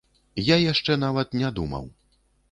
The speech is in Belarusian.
Я яшчэ нават не думаў.